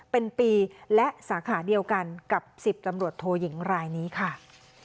เป็นปีและสาขาเดียวกันกับ๑๐ตำรวจโทยิงรายนี้ค่ะ